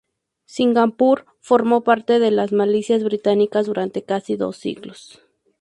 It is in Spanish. Singapur formó parte de la Malasia británica durante casi dos siglos.